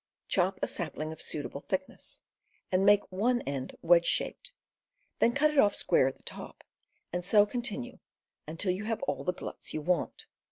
Chop a sapling of suitable thickness, and make one end wedge shaped; then cut it off square at the top; and so continue until you have all the gluts you want.